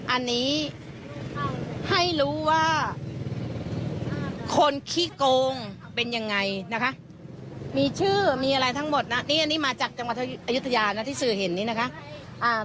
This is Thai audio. อันนี้ให้รู้ว่าคนขี้โกงเป็นยังไงนะคะมีชื่อมีอะไรทั้งหมดนะนี่อันนี้มาจากจังหวัดอายุทยานะที่สื่อเห็นนี่นะคะ